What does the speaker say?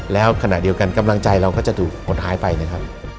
แล้วขณะเดียวกันกำลังใจเราก็จะถูกหดหายไปนะครับ